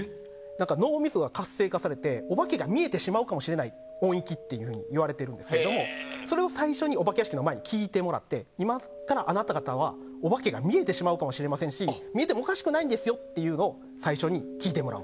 脳みそが活性化されてお化けが見えてしまうかもしれない音域といわれているんですけどそれを最初にお化け屋敷の前に聞いてもらって今からあなた方はお化けが見えてしまうかもしれませんし見えてもおかしくないんですよと最初に聞いてもらう。